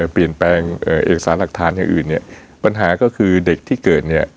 เปลี่ยนแปลงเอกสารหลักฐานอย่างอื่นเนี่ยปัญหาก็คือเด็กที่เกิดเนี่ย